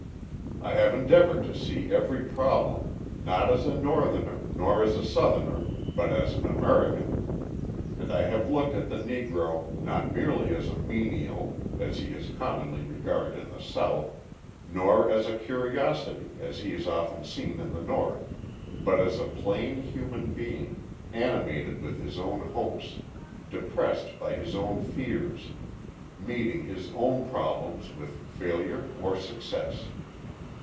I have endeavoured to see every problem, not as a Northerner, nor as a Southerner, but as an American. And I have looked at the Negro, not merely as a menial, as he is commonly regarded in the South, nor as a curiosity, as he is often seen in the North, but as a plain human being, animated with his own hopes, depressed by his own fears, meeting his own problems with failure or success.